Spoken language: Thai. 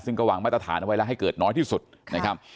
ซึ่งก็วางมาตรฐานเอาไว้แล้วให้เกิดน้อยที่สุดนะครับ